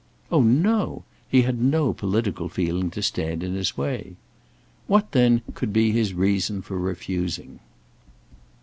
Oh, no! he had no political feeling to stand in his way. What, then, could be his reason for refusing?